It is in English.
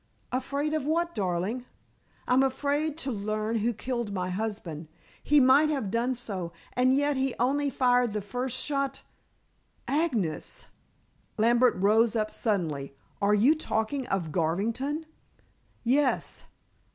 "Afraid of what, darling?" "I'm afraid to learn who killed my husband. He might have done so, and yet he only fired the first shot " "Agnes," Lambert rose up suddenly, "are you talking of Garvington?" "Yes."